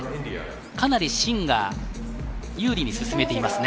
かなりシンが有利に進めていますね。